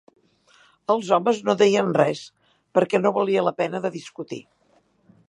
Els homes no deien res, perquè no valia la pena de discutir